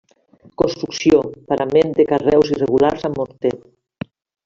Construcció: parament de carreus irregulars amb morter.